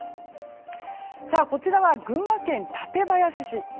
こちらは群馬県館林市。